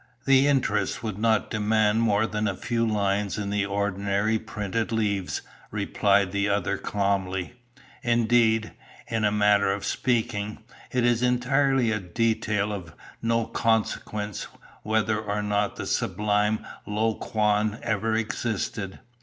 "'The interest would not demand more than a few lines in the ordinary printed leaves,' replied the other calmly. 'Indeed, in a manner of speaking, it is entirely a detail of no consequence whether or not the sublime Lo Kuan ever existed.